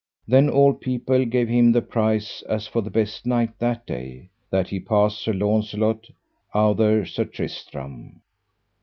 Then all people gave him the prize, as for the best knight that day, that he passed Sir Launcelot outher Sir Tristram.